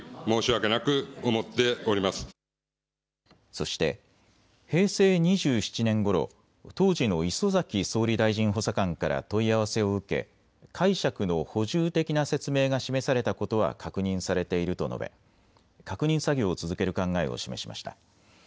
そして平成２７年ごろ当時の礒崎総理大臣補佐官から問い合わせを受け解釈の補充的な説明が示されたことは確認されていると述べ確認作業を続ける考えを示しました。